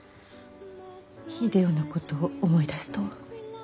秀夫のことを思い出すと。